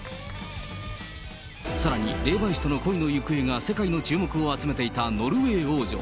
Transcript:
さらに、霊媒師との恋の行方が世界の注目を集めていたノルウェー王女。